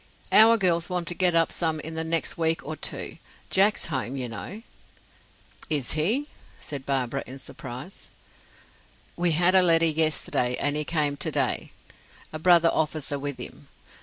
"Our girls want to get up some in the next week or two. Jack's home, you know." "Is he?" said Barbara, in surprise. "We had a letter yesterday, and he came to day a brother officer with him.